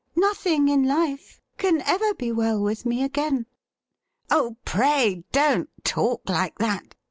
Nothing in life can ever be well with me again '' Oh, pray don't talk like that